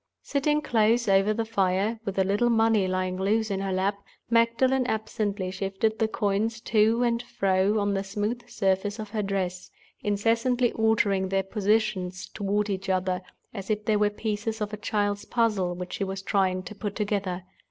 Sitting close over the fire, with a little money lying loose in her lap, Magdalen absently shifted the coins to and fro on the smooth surface of her dress, incessantly altering their positions toward each other, as if they were pieces of a "child's puzzle" which she was trying to put together.